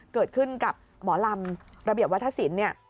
เกิดขึ้นกับหมอลำระเบียบวัฒนศิลป์เนี่ย